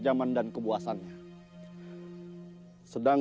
jangan punya perasaan yang hilang